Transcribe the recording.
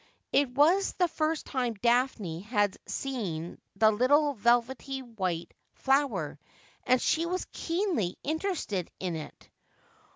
It was the first time Daphne had seen the little velvety white flower, and she was keenly interested in it.